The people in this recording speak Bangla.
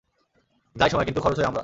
যায় সময় কিন্তু খরচ হই আমরা।